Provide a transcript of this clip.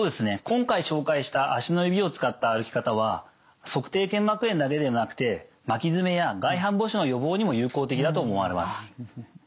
今回紹介した足の指を使った歩き方は足底腱膜炎だけでなくて巻き爪や外反母趾の予防にも有効的だと思われます。